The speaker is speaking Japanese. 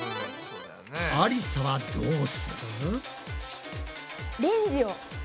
ありさはどうする？